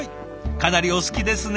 かなりお好きですね。